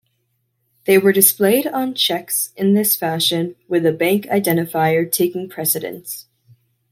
They were displayed on cheques in this fashion, with the bank identifier taking precedence.